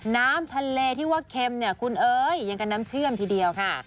น้ำทะเลที่ว่าเค็มเนี่ยคุณเอ๋ยอย่างกับน้ำเชื่อมทีเดียวค่ะ